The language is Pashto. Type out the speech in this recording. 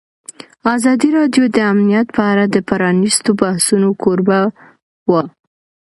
ازادي راډیو د امنیت په اړه د پرانیستو بحثونو کوربه وه.